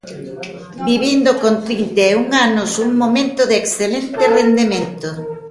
Vivindo con trinta e un anos un momento de excelente rendemento.